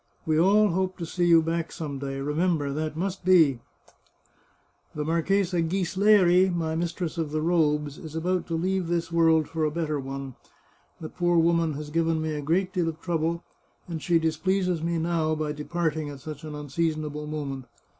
We all hope to see you back some day ; remember, that must be ! The Marchesa Ghisleri, my mistress of the robes, is about to leave this world for a better one. The poor woman has given me a great deal of trouble, and she displeases me now by departing at such an unseasonable moment.